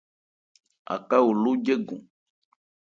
Aká oló jɛ́gɔn.